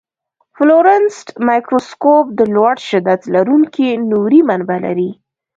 فلورسنټ مایکروسکوپ د لوړ شدت لرونکي نوري منبع لري.